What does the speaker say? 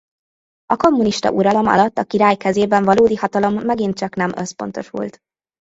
A kommunista uralom alatt a király kezében valódi hatalom megint csak nem összpontosult.